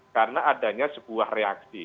karena adanya sebuah reaksi